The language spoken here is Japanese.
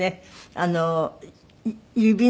あの指の。